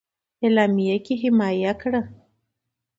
اعلامیه کې حمایه کړه.